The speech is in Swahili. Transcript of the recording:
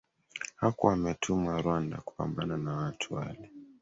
Hakuwa ametumwa Rwanda kupambana na watu wale